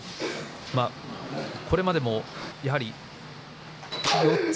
これまでも、やはり四つ